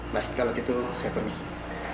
nah kalau gitu saya permisi